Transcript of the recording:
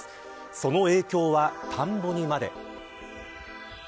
その影響は、田んぼにまで。